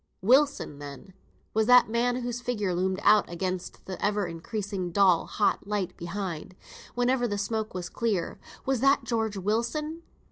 Wilson! then, was that man whose figure loomed out against the ever increasing dull hot light behind, whenever the smoke was clear, was that George Wilson?